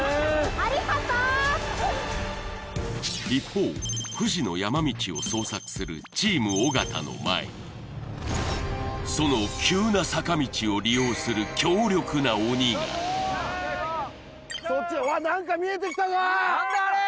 ありがとう一方富士の山道を捜索するチーム尾形の前にその急な坂道を利用する強力な鬼がそっちわっ何だあれ？